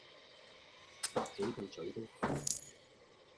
搭幾句咀都好